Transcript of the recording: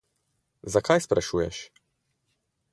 Zakaj sprašuješ?